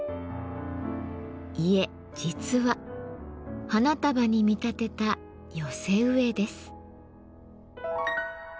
いえ実は花束に見立てた寄せ植えです。